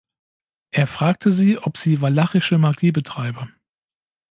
Er fragte sie, ob sie walachische Magie betreibe.